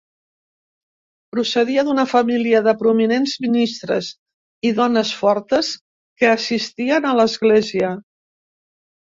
Procedia d'una família de prominents ministres i dones fortes que assistien a l"església.